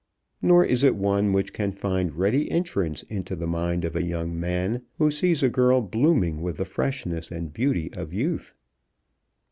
Nor is it one which can find ready entrance into the mind of a young man who sees a girl blooming with the freshness and beauty of youth.